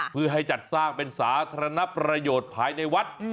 เพื่อให้จัดสร้างเป็นสาธารณประโยชน์ภายในวัด